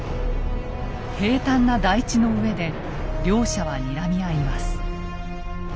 平坦な台地の上で両者はにらみ合います。